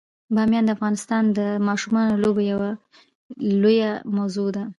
بامیان د افغانستان د ماشومانو د لوبو یوه لویه موضوع ده.